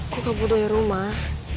gue kabur dari rumah